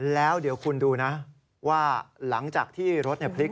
แล้วเดี๋ยวคุณดูนะว่าหลังจากที่รถพลิก